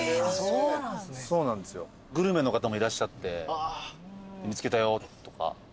グルメの方もいらっしゃって「見つけたよ」とか。